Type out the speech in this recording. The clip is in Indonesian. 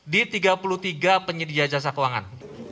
di tiga puluh tiga penyedia jasa keuangan